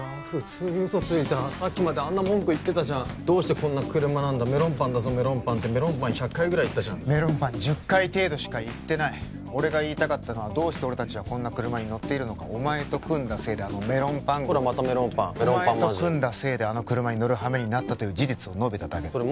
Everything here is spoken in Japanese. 普通に嘘ついたさっきまであんな文句言ってたじゃんどうしてこんな車なんだメロンパンだぞメロンパンってメロンパン１００回ぐらい言ったじゃんメロンパン１０回程度しか言ってない俺が言いたかったのはどうして俺達はこんな車に乗っているのかお前と組んだせいであのメロンパン号ほらまたメロンパンお前と組んだせいであの車に乗るはめになったという事実を述べただけだ